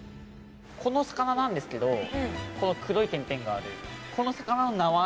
この魚なんですけどこの黒い点々がある。